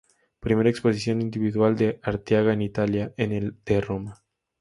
Primera exposición individual de Ortega en Italia, en el de Roma.